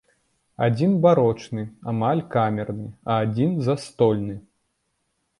Адзін барочны, амаль камерны, а адзін застольны.